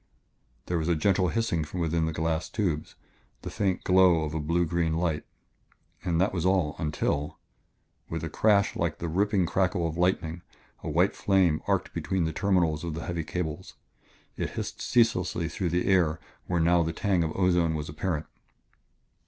There was a gentle hissing from within glass tubes, the faint glow of a blue green light. And that was all, until with a crash like the ripping crackle of lightning, a white flame arced between the terminals of the heavy cables. It hissed ceaselessly through the air where now the tang of ozone was apparent.